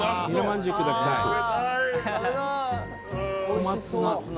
小松菜。